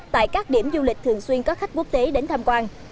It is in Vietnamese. tại các điểm du lịch thường xuyên có khách quốc tế đến tham quan